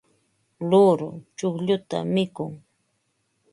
luuru chuqlluta mikun.